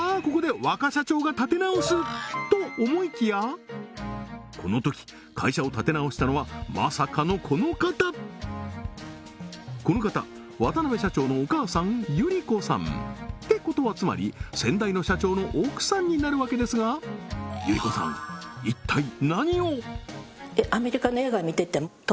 ここでこのとき会社を立て直したのはまさかのこの方この方渡辺社長のお母さん由利子さんってことはつまり先代の社長の奥さんになるわけですが由利子さん一体何を？